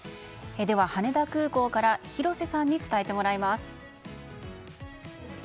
では羽田空港から広瀬さんに伝えてもらいます。